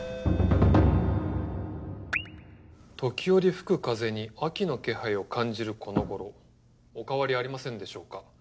「時折吹く風に秋の気配を感じるこのごろ」「お変わりありませんでしょうか」